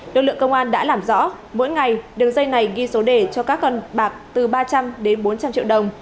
lực lượng công an đã làm rõ mỗi ngày đường dây này ghi số đề cho các con bạc từ ba trăm linh đến bốn trăm linh triệu đồng